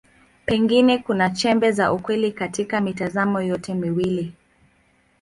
Pengine kuna chembe za ukweli katika mitazamo yote miwili.